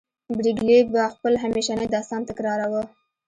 پريګلې به خپل همیشنی داستان تکراروه